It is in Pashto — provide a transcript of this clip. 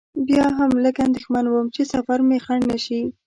بیا هم لږ اندېښمن وم چې سفر مې خنډ نه شي.